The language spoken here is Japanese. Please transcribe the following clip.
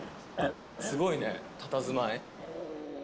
すごいねたたずまい。